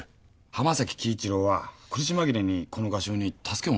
濱崎輝一郎は苦し紛れにこの画商に助けを求めたんじゃないか？